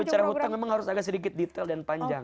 bicara hutang memang harus agak sedikit detail dan panjang